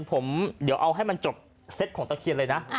ผมเดี๋ยวเอาให้มันจบเซตของตะเคียนเลยนะ